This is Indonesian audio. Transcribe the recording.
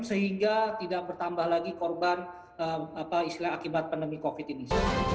sehingga tidak bertambah lagi korban akibat pandemi covid ini